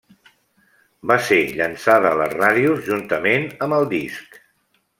Va ser llençada a les ràdios, juntament amb el disc.